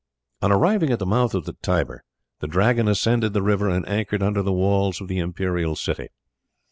On arriving at the mouth of the Tiber the Dragon ascended the river and anchored under the walls of the imperial city.